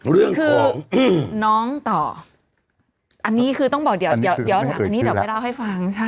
เรื่องคือน้องต่ออันนี้คือต้องบอกเดี๋ยวหลังอันนี้เดี๋ยวไปเล่าให้ฟัง